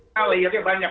nah layarnya banyak